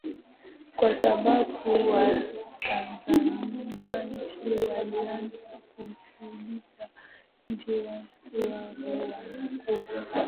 kwa sababu watazamaji walianza kujiuliza Je watu hao wana kosa